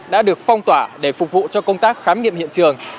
đã được phong tỏa để phục vụ cho công tác khám nghiệm hiện trường